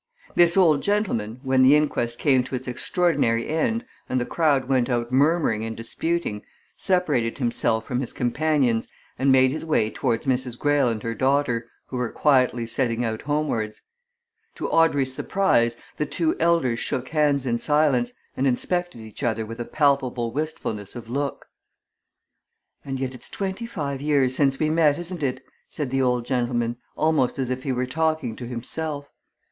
This old gentleman, when the inquest came to its extraordinary end and the crowd went out murmuring and disputing, separated himself from his companions and made his way towards Mrs. Greyle and her daughter, who were quietly setting out homewards. To Audrey's surprise the two elders shook hands in silence, and inspected each other with a palpable wistfulness of look. "And yet it's twenty five years since we met, isn't it?" said the old gentleman, almost as if he were talking to himself.